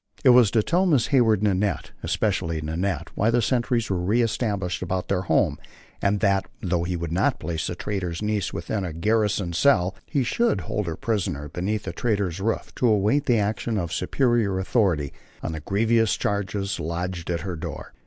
It was to tell Mrs. Hayand Nanette, especially Nanette, why the sentries were re established about their home and that, though he would not place the trader's niece within a garrison cell, he should hold her prisoner beneath the trader's roof to await the action of superior authority on the grievous charges lodged at her door.